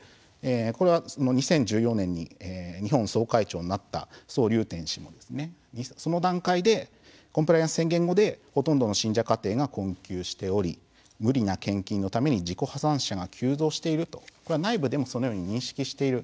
これは、２０１４年に日本総会長になったソウ・リュウテン氏がその段階でコンプライアンス宣言後でほとんどの信者家庭が困窮しており無理な献金のために自己破産者が急増しているとこれは内部でもそのように認識している。